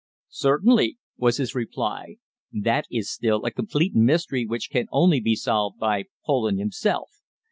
"Certainly," was his reply; "that is still a complete mystery which can only be solved by Poland himself.